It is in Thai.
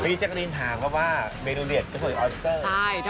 มีจักรีนทางว่าเมนูเด็ดเท่าไหร่ออยสเตอร์